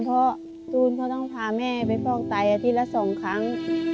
เพราะตูนเขาต้องพาแม่ไปฟอกไตอาทิตย์ละ๒ครั้ง